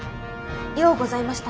ようございましたな。